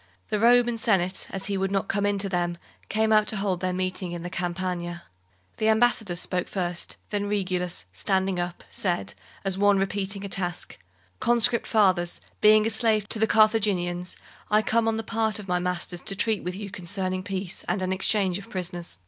The Roman Senate, as he would not come in to them, came out to hold their meeting in the Campagna. The ambassadors spoke first; then Regulus, standing up, said, as one repeating a task: "Conscript fathers, being a slave to the Carthaginians, I come on the part of my masters to treat with you concerning peace and an exchange of prisoners."